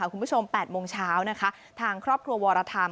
คุณผู้ชม๘โมงเช้าทางครอบครัววรธรรม